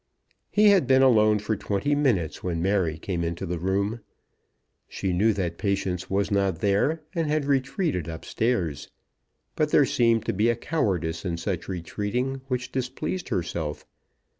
He had been alone for twenty minutes when Mary came into the room. She knew that Patience was not there; and had retreated up stairs. But there seemed to be a cowardice in such retreating, which displeased herself.